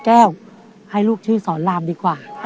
แก้วให้ลูกชื่อสอนรามดีกว่า